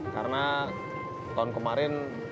karena tahun kemarin